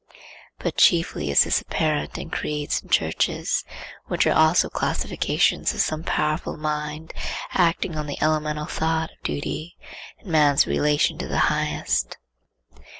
But chiefly is this apparent in creeds and churches, which are also classifications of some powerful mind acting on the elemental thought of duty, and man's relation to the Highest.